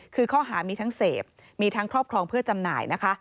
คือข้อหามีทั้งเสพมีทั้งครอบครองเพื่อจำหน่ายนะคะ